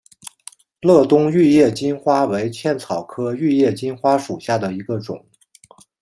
乐东玉叶金花为茜草科玉叶金花属下的一个种。